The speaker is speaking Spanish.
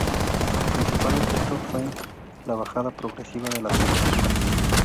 El principal efecto fue la bajada progresiva de la temperatura.